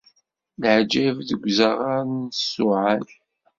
Leɛǧayeb deg uzaɣar n Ṣuɛan.